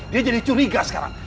dia jadi curiga sekarang